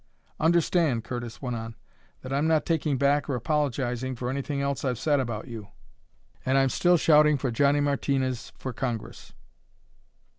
"Understand," Curtis went on, "that I'm not taking back or apologizing for anything else I've said about you, and I'm still shouting for Johnny Martinez for Congress."